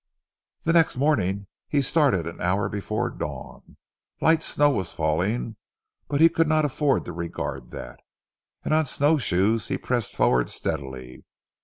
The next morning he started an hour before dawn. Light snow was falling, but he could not afford to regard that, and on snowshoes he pressed forward steadily.